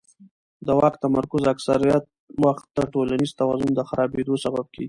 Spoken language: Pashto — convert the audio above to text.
د واک تمرکز اکثره وخت د ټولنیز توازن د خرابېدو سبب کېږي